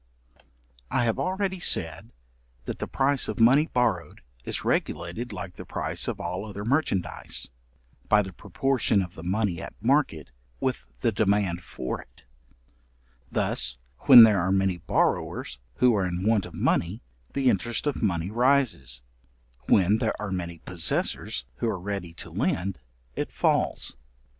I have already said, that the price of money borrowed, is regulated like the price of all other merchandize, by the proportion of the money at market with the demand for it: thus, when there are many borrowers who are in want of money, the interest of money rises; when there are many possessors who are ready to lend, it falls.